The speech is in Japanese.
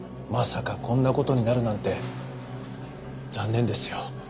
まさかこんな事になるなんて残念ですよ。